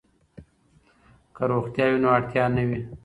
که روغتیا وي نو اړتیا نه وي.